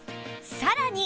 さらに